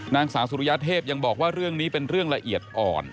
นางสาวสุริยเทพยังบอกว่าเรื่องนี้เป็นเรื่องละเอียดอ่อน